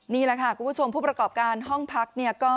นี่แหละค่ะคุณผู้ชมผู้ประกอบการห้องพักเนี่ยก็